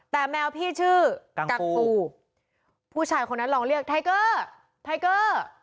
แต่แมวพี่ชื่อกังฟูผู้ชายคนนั้นลองเรียกไทเกอร์ไทเกอร์